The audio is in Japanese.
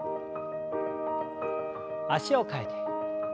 脚を替えて。